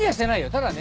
ただね